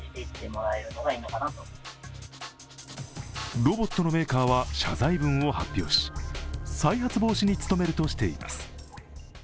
ロボットのメーカーは謝罪文を発表し、再発防止に努めるとしています。